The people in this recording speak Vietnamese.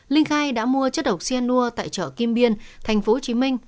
linh khai đã mua chất độc xuyên nua tại chợ kim biên tp hcm